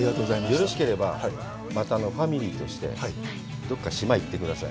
よろしければ、またファミリーとして、どっか島へ行ってください。